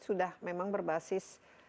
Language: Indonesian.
sudah memang berbasis